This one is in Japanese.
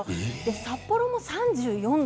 札幌でも３４度。